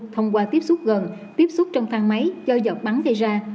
thông qua tiếp xúc gần tiếp xúc trong thang máy do giọt bắn gây ra